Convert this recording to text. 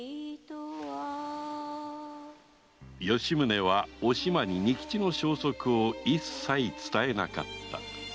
吉宗はお島に仁吉の消息を一切伝えなかった